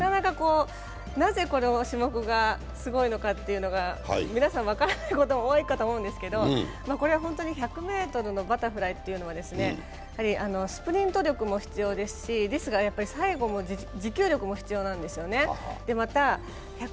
なぜこの種目がすごいのかというのが皆さん、分からない方も多いかと思うんですけど、１００ｍのバタフライというのはスプリント力も必要ですし最後も持久力も必要なんですよね。